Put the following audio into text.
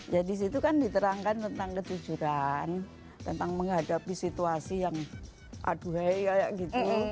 ya di situ kan diterangkan tentang ketujuran tentang menghadapi situasi yang aduhaya gitu